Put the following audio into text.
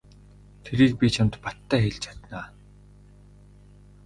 Тэрийг би чамд баттай хэлж чадна.